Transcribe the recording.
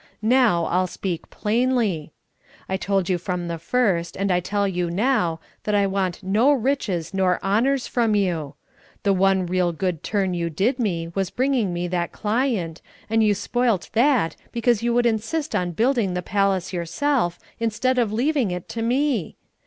Now, I'll speak plainly. I told you from the first, and I tell you now, that I want no riches nor honours from you. The one real good turn you did me was bringing me that client, and you spoilt that because you would insist on building the palace yourself, instead of leaving it to me!